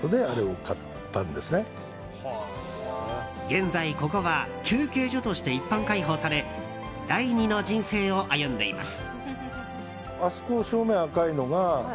現在、ここで休憩所として一般開放され第２の人生を歩んでいます。